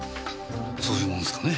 そういうもんすかね。